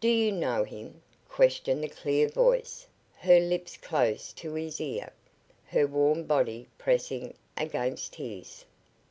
"Do you know him?" questioned the clear voice, her lips close to his ear, her warm body pressing against his.